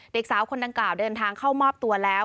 เด็กสาวคนดังกล่าวเดินทางเข้ามอบตัวแล้ว